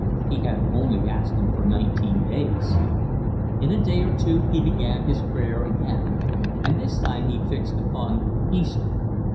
He had only asked Him for nineteen days. In a day or two he began his prayer again, and this time he fixed upon Easter.